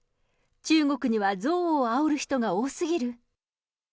中国には憎悪をあおる人が多すぎる。